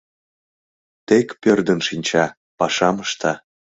Тек пӧрдын шинча, пашам ышта...